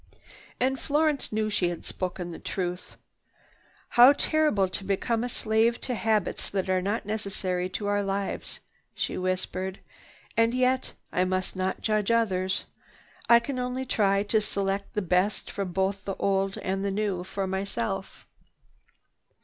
And Florence knew she had spoken the truth. "How terrible to become a slave to habits that are not necessary to our lives!" she whispered. "And yet, I must not judge others. I only can try to select the best from both the old and the new for myself."